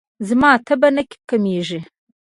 زما تبه نه کمیږي.